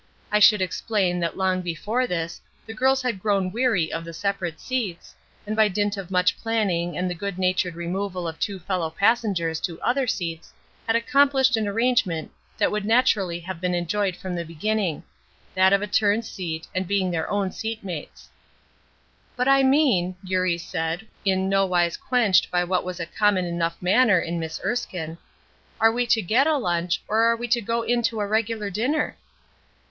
I should explain that long before this the girls had grown weary of the separate seats, and by dint of much planning and the good natured removal of two fellow passengers to other seats had accomplished an arrangement that should naturally have been enjoyed from the beginning: that of a turned seat, and being their own seat mates. "But I mean," Eurie said, in no wise quenched by what was a common enough manner in Miss Erskine, "are we to get a lunch, or are we to go in to a regular dinner?"